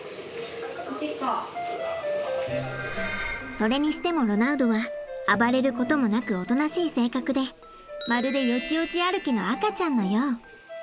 それにしてもロナウドは暴れることもなくおとなしい性格でまるでよちよち歩きの赤ちゃんのよう。